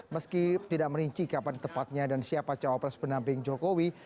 meski tidak merinci kapan tepatnya dan siapa cawapres pendamping jokowi